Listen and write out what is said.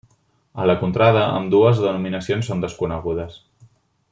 A la contrada ambdues denominacions són desconegudes.